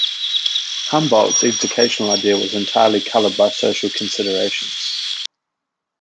Humboldt's educational ideal was entirely coloured by social considerations.